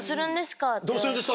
どうするんですか？